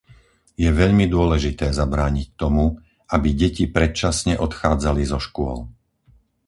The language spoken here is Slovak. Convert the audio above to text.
Je veľmi dôležité zabrániť tomu, aby deti predčasne odchádzali zo škôl.